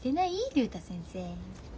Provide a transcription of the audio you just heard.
竜太先生。